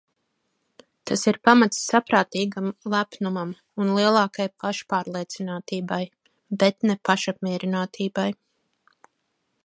Tas ir pamats saprātīgam lepnumam un lielākai pašpārliecinātībai, bet ne pašapmierinātībai.